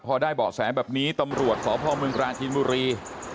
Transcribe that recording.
พอได้บอกแสงแบบนี้ตำรวจของพมกราชินบุรี